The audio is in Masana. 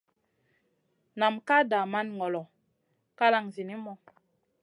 Nam ka daman ŋolo kalang zinimu.